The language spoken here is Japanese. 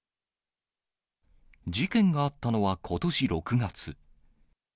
事件があったのは、ことし６月。